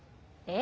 え？